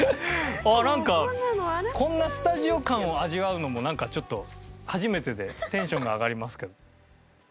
あっなんかこんなスタジオ感を味わうのもちょっと初めてでテンションが上がりますけど。